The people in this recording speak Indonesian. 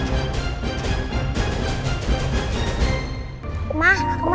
mas aku masuk kelas dulu ya